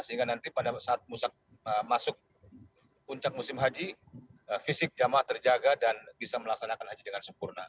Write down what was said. sehingga nanti pada saat masuk puncak musim haji fisik jamaah terjaga dan bisa melaksanakan haji dengan sempurna